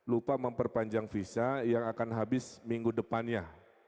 lupa memperpanjang visa yang akan habis minggu depannya